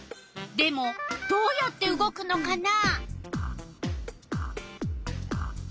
でもどうやって動くのかな？